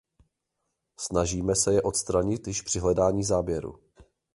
Snažíme se je odstranit již při hledání záběru.